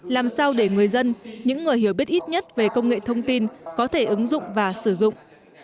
làm sao để người dân những người hiểu biết ít nhất về công nghệ thông tin có thể ứng dụng và sử dụng